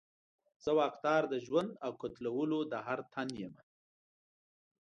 زه واکدار د ژوند او قتلولو د هر تن یمه